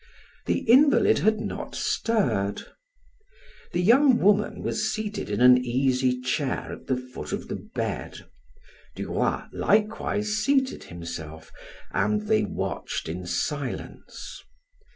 The invalid had not stirred. The young woman was seated in an easy chair at the foot of the bed. Duroy likewise seated himself, and they watched in silence.